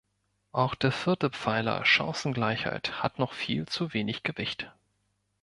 Auch der vierte Pfeiler Chancengleichheit hat noch viel zu wenig Gewicht.